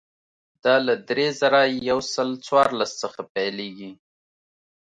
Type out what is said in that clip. دا له درې زره یو سل څوارلس څخه پیلېږي.